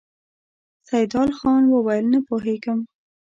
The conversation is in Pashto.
سيدال خان وويل: نه پوهېږم!